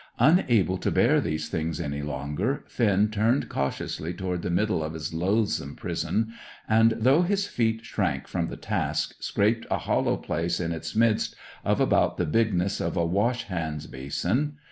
Unable to bear these things any longer, Finn turned cautiously toward the middle of his loathsome prison, and, though his feet shrank from the task, scraped a hollow place in its midst of about the bigness of a wash hand basin.